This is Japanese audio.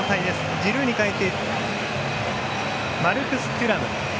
ジルーに代えてマルクス・テュラム。